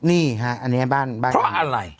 เพราะอะไรบันไดมันเยอะ